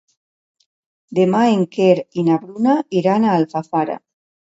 Demà en Quer i na Bruna iran a Alfafara.